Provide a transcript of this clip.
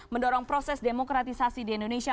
mendorong proses demokratisasi di indonesia